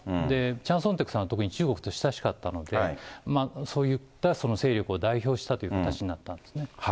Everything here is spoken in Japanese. チャン・ソンテクさんは特に中国と親しかったので、そういった勢力を代表したという形になったんですね。